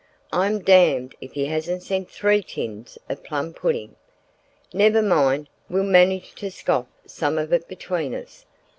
"I'm damned if he hasn't sent three tins of plum pudding. Never mind, we'll manage to scoff some of it between us.